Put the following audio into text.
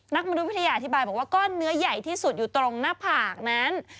มนุษวิทยาอธิบายบอกว่าก้อนเนื้อใหญ่ที่สุดอยู่ตรงหน้าผากนั้น